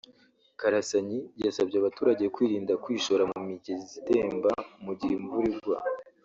Karasanyi yasabye abaturage kwirinda kwishora mu migezi itemba mu gihe imvura igwa